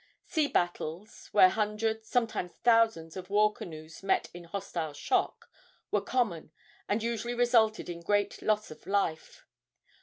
Sea battles, where hundreds, sometimes thousands, of war canoes met in hostile shock, were common, and usually resulted in great loss of life.